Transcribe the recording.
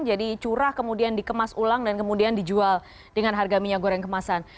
jadi curah kemudian dikemas ulang dan kemudian dijual dengan harga minyak goreng kemasan